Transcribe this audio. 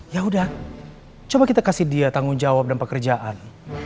ya udah coba kita kasih dia tanggung jawab dan pekerjaan